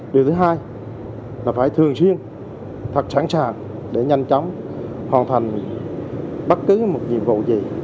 điều thứ hai là phải thường xuyên thật sẵn sàng để nhanh chóng hoàn thành bất cứ một nhiệm vụ gì